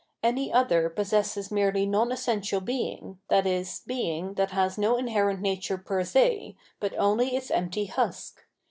Any other possesses merely non essential being, i.e. being that has no inherent nature per se, but only its empty husk.